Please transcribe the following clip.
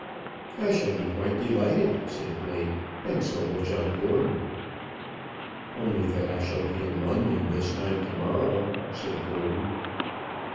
"I shall be quite delighted," said Blake, "and so will John Gordon." "Only that I shall be in London this time to morrow," said Gordon.